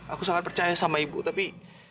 aku sangat percaya sama ibu tapi